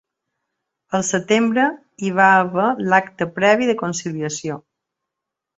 El setembre hi va haver l’acte previ de conciliació.